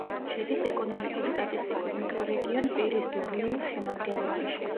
შედის ეკონომიკურ-სტატისტიკურ მიკრორეგიონ პირის-დუ-რიუს შემადგენლობაში.